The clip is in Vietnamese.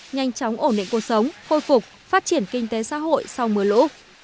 nhanh chóng ổn định cuộc sống khôi phục phát triển kinh tế xã hội sau mưa lũ